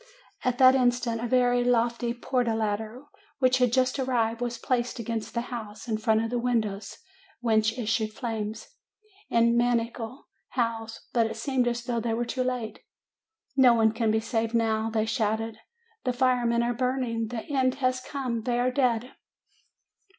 "At that instant a very lofty Porta ladder, which had just arrived, was placed against the house, in front of the windows whence issued flames, and maniacal howls. But it seemed as though they were too late. " 'No one can be saved now !' they shouted. 'The firemen are burning! The end has come! They are dead